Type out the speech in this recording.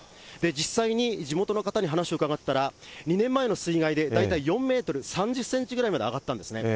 実際に地元の方に話を伺ったら、２年前の水害で大体４メートル３０センチぐらいまで上がったんですね。